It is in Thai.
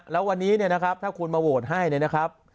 แล้ววันนี้นะครับถ้าคุณมาโหวตให้นะครับ